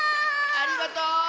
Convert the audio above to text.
ありがとう！